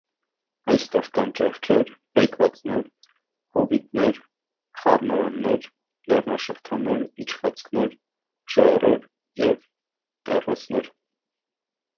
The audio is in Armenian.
Այստեղ կան ճեղքեր, բեկվածքներ, հովիտներ, խառնարաններ, լեռնաշղթաներ, իջվածքներ, ժայռեր և տեռասներ։